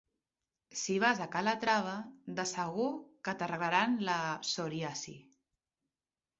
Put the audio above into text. Si vas a Calatrava, de segur que t'arreglaran la... psoriasi.